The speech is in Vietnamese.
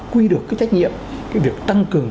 quy được cái trách nhiệm cái việc tăng cường